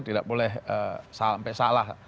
tidak boleh sampai salah